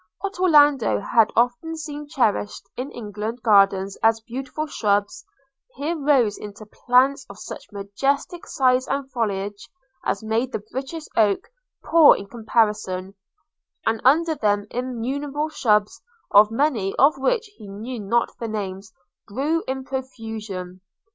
What Orlando had often seen cherished in English gardens as beautiful shrubs, here rose into plants of such majestic size and foliage as made the British oak poor in comparison; and under them innumerable shrubs, of many of which he knew not the names, grew in profusion.